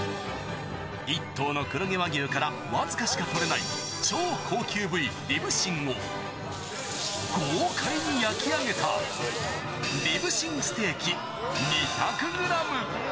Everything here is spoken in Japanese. １頭の黒毛和牛から僅かしか取れない超高級部位、リブ芯を豪快に焼き上げたリブ芯ステーキ２００グラム。